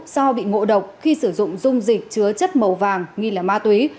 do bị ngộ độc khi sử dụng dung dịch chứa chất màu vàng nghi là ma túy